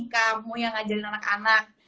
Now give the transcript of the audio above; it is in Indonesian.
kamu yang ngajarin anak anak